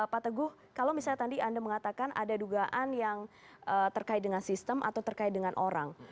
pak teguh kalau misalnya tadi anda mengatakan ada dugaan yang terkait dengan sistem atau terkait dengan orang